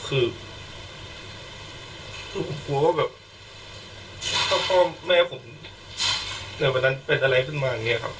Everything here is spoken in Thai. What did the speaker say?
คือคือผมกลัวว่าแบบถ้าพ่อแม่ผมในวันนั้นเป็นอะไรขึ้นมาอย่างนี้ครับ